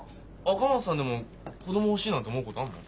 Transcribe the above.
赤松さんでも「子供欲しい」なんて思うことあんの？